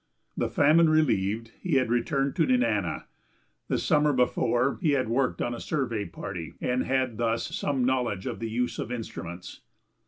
The famine relieved, he had returned to Nenana. The summer before he had worked on a survey party and had thus some knowledge of the use of instruments.